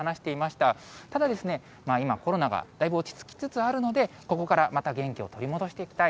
ただですね、今、コロナがだいぶ落ち着きつつあるので、ここからまた元気を取り戻していきたい。